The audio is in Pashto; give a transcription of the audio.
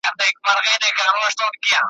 یو تر بله یې په ساندوکي سیالي وه `